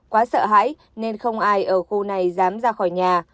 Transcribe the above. quá sợ hãi nên không ai ở khu này dám ra khỏi nhà